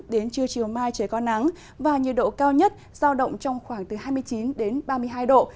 đến trưa chiều mai trời có nắng và nhiệt độ cao nhất giao động trong khoảng từ hai mươi chín đến ba mươi hai độ